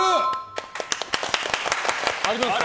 ありますか。